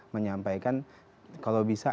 menyampaikan kalau bisa